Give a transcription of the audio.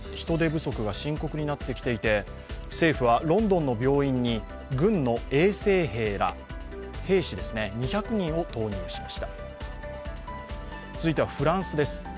人手不足が深刻になってきていて政府はロンドンの病院に軍の衛生兵ら２００人を投入しました続いてはフランスです。